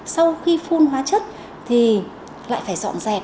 sau khi phun hóa chất thì lại phải dọn dẹp